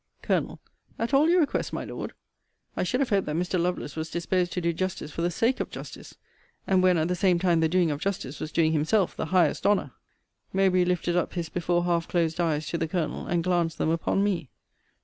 Col. At all your requests, my Lord? I should have hoped that Mr. Lovelace was disposed to do justice for the sake of justice; and when at the same time the doing of justice was doing himself the highest honour. Mowbray lifted up his before half closed eyes to the Colonel, and glanced them upon me.